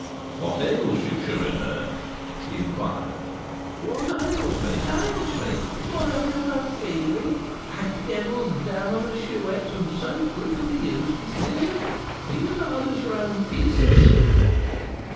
"What ails you, Chourineur?" he inquired. "What ails me? Ails me? Why, have you no feeling? That devil's dam of a Chouette who so brutally used this girl! Are you as hard as your own fists?"